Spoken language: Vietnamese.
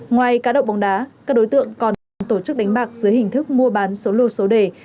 ngoài cá độ bóng đá các đối tượng còn còn tổ chức đánh bạc dưới hình thức mua bán số lô số đề